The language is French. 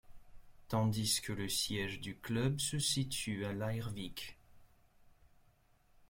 Tandis que le siège du club se situe à Leirvík.